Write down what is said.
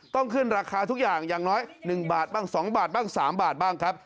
ขึ้นราคาทุกอย่างอย่างน้อย๑บาทบ้าง๒บาทบ้าง๓บาทบ้างครับ